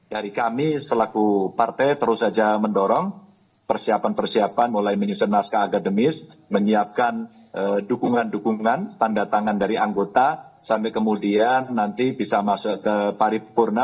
dari kami selaku partai terus saja mendorong persiapan persiapan mulai menyusun